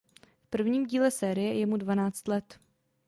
V prvním díle série je mu dvanáct let.